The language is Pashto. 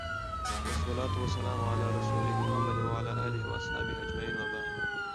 والصلوة والسلام على رسوله محمد وعلى اله واصحابه اجمعين وبعد